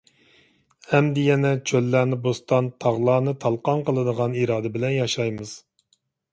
ئەمدى يەنە چۆللەرنى بوستان، تاغلارنى تالقان قىلىدىغان ئىرادە بىلەن ياشايمىز.